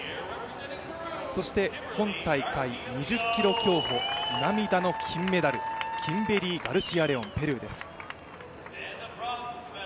今大会２０ｋｍ競歩、涙の金メダル、キンベリー・ガルシアレオン、ペルーです。